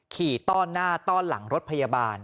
ต้อนหน้าต้อนหลังรถพยาบาล